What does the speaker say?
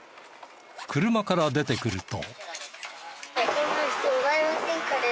車から出てくると。